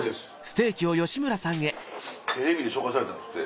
テレビで紹介されたんですって。